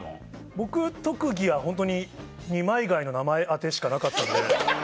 僕特技はホントに二枚貝の名前当てしかなかったんで。